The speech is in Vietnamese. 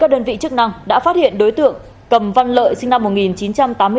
các đơn vị chức năng đã phát hiện đối tượng cầm văn lợi sinh năm một nghìn chín trăm tám mươi bốn